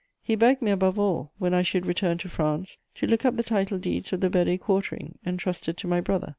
He begged me above all, when I should return to France, to look up the title deeds of the "Bedée quartering," entrusted to my brother.